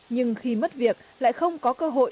nhưng khi mất việc lại không có cơ hội